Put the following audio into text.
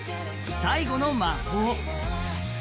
「最後の魔法」。